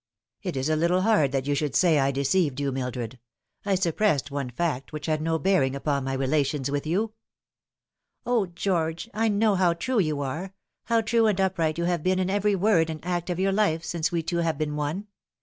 "It is a little hard that you should say I deceived you, Mildred. I suppressed one fact which had no bearing upon my relations with you." '* O George, I know how true you are how true and upright you have been in every word and act of your life since we two have been one.